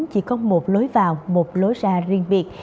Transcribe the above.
chỉ có một lối vào một lối ra riêng biệt